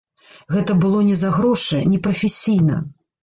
Гэта было не за грошы, непрафесійна.